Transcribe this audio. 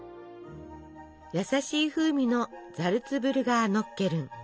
優しい風味のザルツブルガーノッケルン。